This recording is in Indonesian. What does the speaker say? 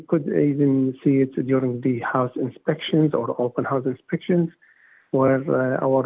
kita bisa melihatnya dalam inspeksi rumah atau inspeksi rumah terbuka